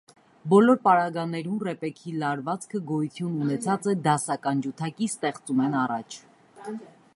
Բոլոր պարագաներուն, ռեպեքի լարուածքը գոյութիւն ունեցած է դասական ջութակի ստեղծումէն առաջ։